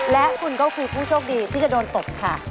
และคุณก็คือผู้โชคดีที่จะโดนตบค่ะ